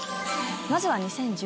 まずは２０１７年